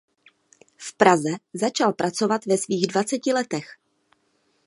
V Praze začal pracovat ve svých dvaceti letech.